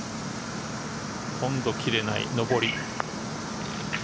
ほとんど切れない上り。